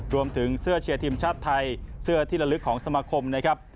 รวมถึงเสื้อเชียร์ทีมชาติไทยเสื้อที่ละลึกของสมาคมนะครับ